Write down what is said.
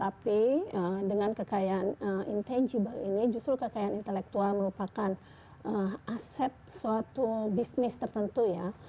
tapi dengan kekayaan intangible ini justru kekayaan intelektual merupakan aset suatu bisnis tertentu ya